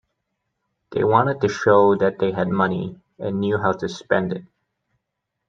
They wanted to show that they had money and knew how to spend it.